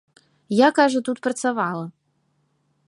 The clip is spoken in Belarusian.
Я, кажа, тут працавала.